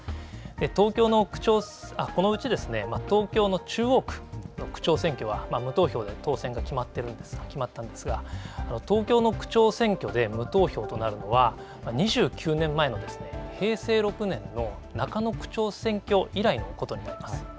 東京のこのうち東京の中央区の区長選挙は無投票で当選が決まったんですが、東京の区長選挙で無投票となるのは、２９年前の平成６年の中野区長選挙以来のこととなります。